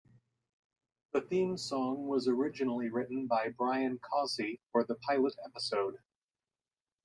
The theme song was originally written by Brian Causey for the pilot episode.